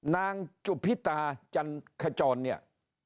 นางจุพิตาจันขจรเนี่ย